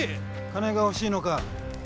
金が欲しいのか。